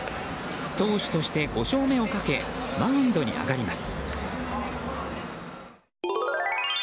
投手として、５勝目をかけマウンドに上がります。